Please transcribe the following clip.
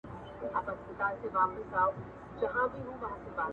وایې چې کله هند د خپلي لومړنۍ